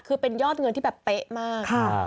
คือเป็นยอดเงินที่แบบเป๊ะมาก